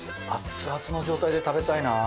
アツアツの状態で食べたいな。